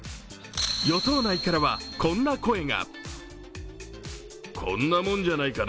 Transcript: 与党内からはこんな声が。